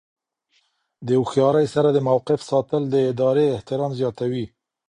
د هوښیارۍ سره د موقف ساتل د ادارې احترام زیاتوي.